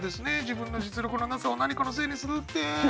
自分の実力のなさを何かのせいにするって。